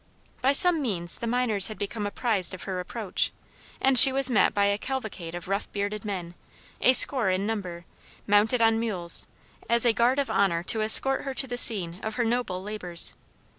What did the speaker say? By some means the miners had become apprised of her approach, and she was met by a cavalcade of rough bearded men, a score in number, mounted on mules, as a guard of honor to escort her to the scene of her noble labors.